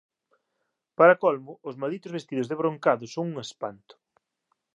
Para colmo, os malditos vestidos de brocado son un espanto.